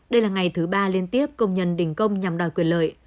đây là ngày thứ ba liên tiếp công nhân đình công nhằm đòi quyền lợi